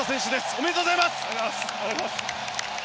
おめでとうございます！